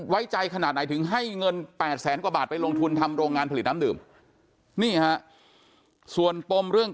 ไว้ใจขนาดไหนถึงให้เงิน๘แสนกว่าบาทไปลงทุนทำโรงงานผลิตน้ำดื่มนี่ฮะส่วนปมเรื่อง